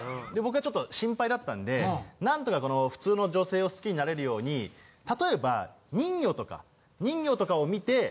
僕がちょっと心配だったんでなんとか普通の女性を好きになれるように例えば人魚とか人魚とかを見て。